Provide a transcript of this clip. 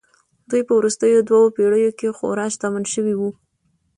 دوی په وروستیو دوو پېړیو کې خورا شتمن شوي وو